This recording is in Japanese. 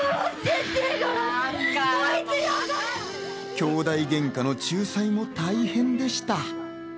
きょうだいげんかの仲裁も大変でした。